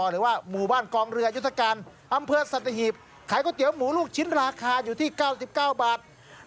หรือว่าหมู่บ้านกองเรือยุทธการอำเภอสัตหีบขายก๋วเตี๋ยหมูลูกชิ้นราคาอยู่ที่๙๙บาท